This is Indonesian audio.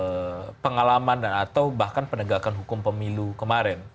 pertama harus dilihat dari soal pengalaman dan atau bahkan penegakan hukum pemilu kemarin